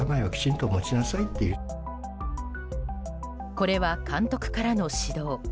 これは監督からの指導。